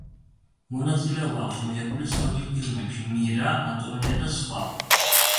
მონაწილეობა აქვს მიღებული ცნობილ ფილმებში: „მირა“, „ანტონია“ და სხვა.